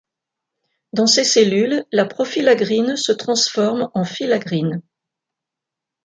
Dans ces cellules, la profilaggrine se transforme en filaggrine.